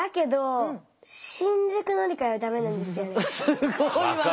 すごいわね。